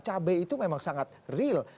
cabai itu memang sangat real